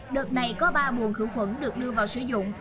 đợt này có ba buồn khử khuẩn được đưa vào sử dụng